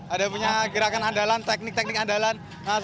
ada punya gerakan andalan teknik teknik andalan